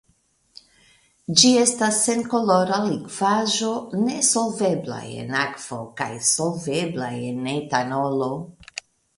Ĝi estas senkolora likvaĵo nesolvebla en akvo kaj solvebla en etanolo.